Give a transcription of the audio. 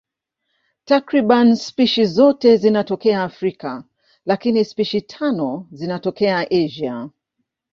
Takriban spishi zote zinatokea Afrika, lakini spishi tano zinatokea Asia.